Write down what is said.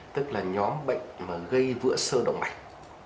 tức là nhóm bệnh gây vữa sơ động mạch